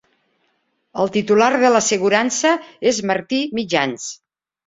El titular de l'assegurança és Martí Mitjans.